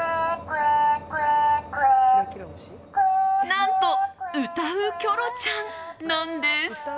何と、歌うキョロちゃんなんです。